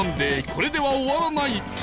これでは終わらない！